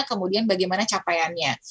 kemudian bagaimana capaiannya